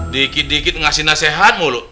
dikit dikit ngasih nasihat mulu